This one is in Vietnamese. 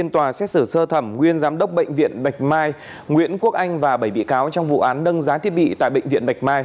nguyễn quốc anh và bảy bị cáo trong vụ án nâng giá thiết bị tại bệnh viện bạch mai